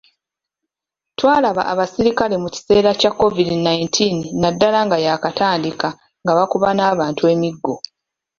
Twalaba abaserikale mu kiseera kya Covid nineteen naddala nga yaakatandika nga bakuba n'abantu emiggo